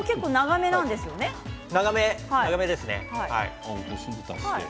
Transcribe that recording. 長めです。